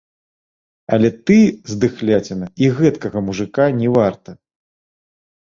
Але ты, здыхляціна, і гэткага мужыка не варта!